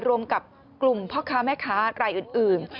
รวมกับกลุ่มพ่อค้าแม่ค้ารายอื่น